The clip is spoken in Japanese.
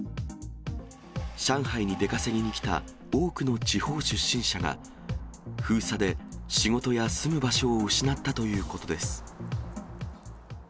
上海に出稼ぎにきた多くの地方出身者が、封鎖で仕事や住む場所を失ったということです。